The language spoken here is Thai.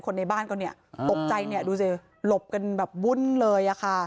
ในบ้านก็เนี่ยตกใจเนี่ยดูสิหลบกันแบบวุ่นเลยอะค่ะ